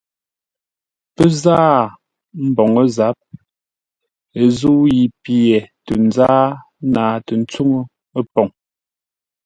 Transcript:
Pə́ záa mboŋə́ zâp ə́ zə̂u yi pye tə nzáa naatə́ tsuŋə́ poŋ.